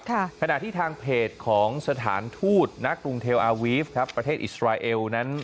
ขณะที่ทางเพจของสถานทูตณกรุงเทลอาวีฟครับประเทศอิสราเอลนั้น